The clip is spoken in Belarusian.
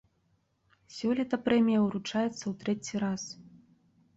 Сёлета прэмія ўручаецца ў трэці раз.